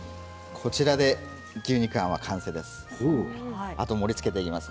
こちらで牛肉あんは完成です。